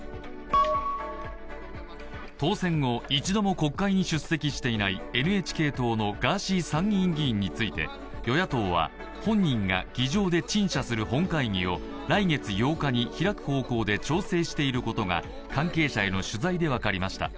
当選後、一度も国会に出席していないＮＨＫ党のガーシー参院議員について与野党は本人が議場で陳謝する本会議を来月８日に開く方向で調整していることが関係者への取材で分かりました。